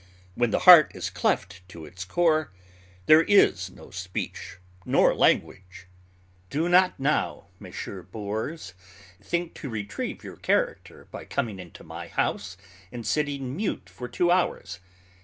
When the heart is cleft to its core, there is no speech nor language. Do not now, Messrs. Bores, think to retrieve your character by coming into my house and sitting mute for two hours.